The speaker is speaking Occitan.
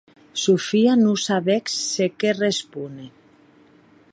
Sofia non sabec se qué respóner.